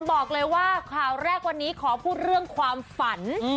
บอกเลยว่าข่าวแรกวันนี้ขอพูดเรื่องความฝัน